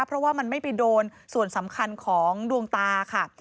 เพราะว่ามันไม่ไปโดนส่วนสำคัญของดวงตาค่ะ